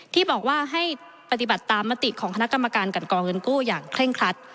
ที่บอกว่าให้ปฏิบัติตามมติของคณะกรรมการกันกองเงินกู้อย่างเคร่งครัด